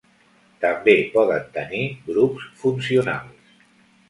També poden tenir grups funcionals.